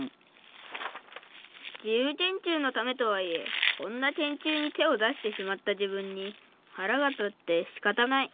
「自由研究のためとはいえこんな研究に手をだしてしまった自分に腹がたってしかたない。